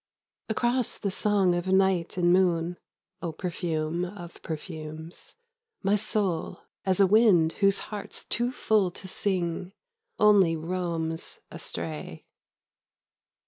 Across the song of night and moon, (O perfume of perfumes !) My soul, as a wind Whose heart's too full to sing, Only roams astray